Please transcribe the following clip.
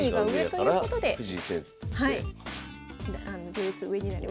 序列上になります。